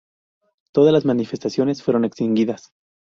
Todas las manifestaciones fueron extinguidas.